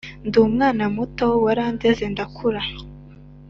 Ndumwana muto warendeze ndakura